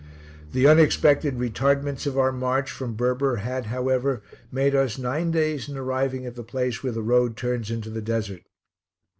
The unexpected retardments of our march from Berber had, however, made us nine days in arriving at the place where the road turns into the desert.